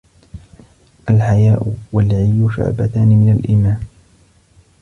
الْحَيَاءُ وَالْعِيُّ شُعْبَتَانِ مِنْ الْإِيمَانِ